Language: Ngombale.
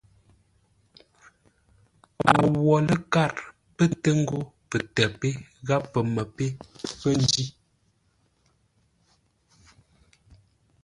A wo ləkâr pə́ tə ghó pətə́ pé gháp pəmə́ pé pə́ njí.